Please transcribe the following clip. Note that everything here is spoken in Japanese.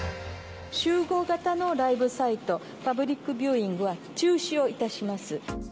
集合型のライブサイト、パブリックビューイングは中止をいたします。